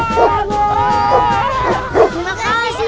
terima kasih om